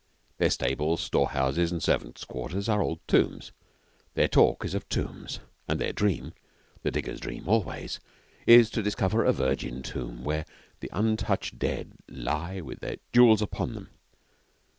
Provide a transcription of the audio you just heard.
Their stables, store houses, and servants' quarters are old tombs; their talk is of tombs, and their dream (the diggers' dream always) is to discover a virgin tomb where the untouched dead lie with their jewels upon them.